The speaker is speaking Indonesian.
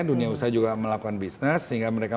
dunia usaha juga melakukan bisnis sehingga mereka